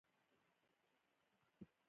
په لکونو مریدان پیدا کړل.